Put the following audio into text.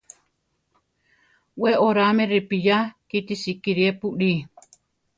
We oráame ripiya kíti sikirépuli.